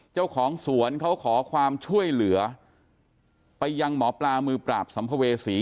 เจ้าของสวนเขาขอความช่วยเหลือไปยังหมอปลามือปราบสัมภเวษี